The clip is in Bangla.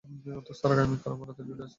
স্যার, আগামীকাল আমার রাতের ডিউটি আছে, স্যার।